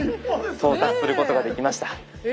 到達することができました。